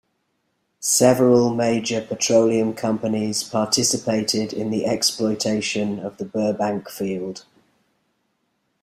Several major petroleum companies participated in the exploitation of the Burbank Field.